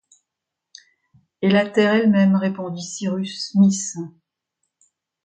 et la terre elle-même, répondit Cyrus Smith.